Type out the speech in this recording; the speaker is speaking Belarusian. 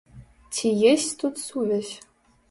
Ці есць тут сувязь?